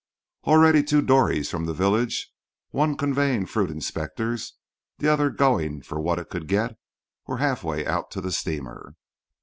Already two dories from the village—one conveying fruit inspectors, the other going for what it could get—were halfway out to the steamer.